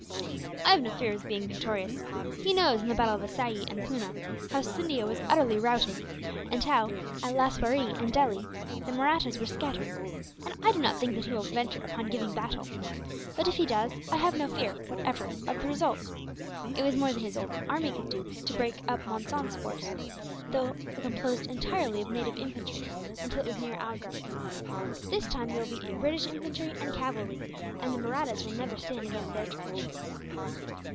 "I have no fear of his being victorious. He knows, in the battles of Assaye and Poona, how Scindia was utterly routed; and how, at Laswaree and Delhi, the Mahrattas were scattered; and I do not think that he will venture upon giving battle. But if he does, I have no fear, whatever, of the result. It was more than his whole army could do to break up Monson's force, although composed entirely of native infantry, until it was near Agra. This time there will be British infantry and cavalry, and the Mahrattas will never stand against their charge."